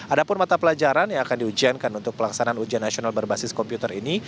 ada pun mata pelajaran yang akan diujiankan untuk pelaksanaan ujian nasional berbasis komputer ini